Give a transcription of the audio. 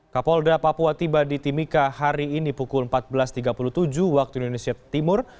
kapolda papua tiba di timika hari ini pukul empat belas tiga puluh tujuh waktu indonesia timur